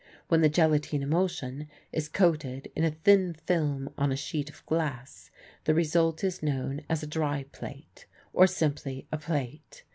When the gelatine emulsion is coated in a thin film on a sheet of glass the result is known as a dry plate, or, simply, a plate.